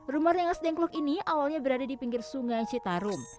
rumah rengas dengkluk ini awalnya berada di pinggir sungai citarum